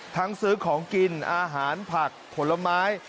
ซื้อของกินอาหารผักผลไม้